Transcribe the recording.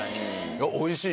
おいしい！